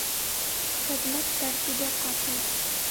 Хеҙмәт тәртибе ҡаты.